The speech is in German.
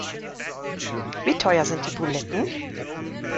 Wie teuer sind die Buletten?